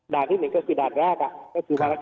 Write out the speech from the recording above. ดาร์ที่๑ก็คือดาร์ทแรกและก็คือไวรัฐรัฐ๑